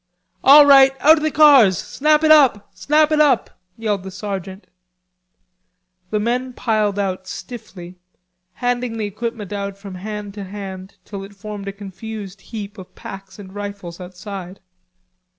"All right, out of the cars! Snap it up; snap it up!" yelled the sergeant. The men piled out stiffly, handing the equipment out from hand to hand till it formed a confused heap of packs and rifles outside.